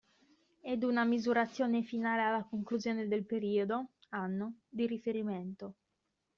Ed una misurazione finale alla conclusione del periodo (anno) di riferimento.